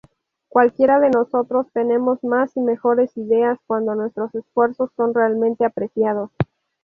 Cualquiera de nosotros tenemos más y mejores ideas cuando nuestros esfuerzos son realmente apreciados.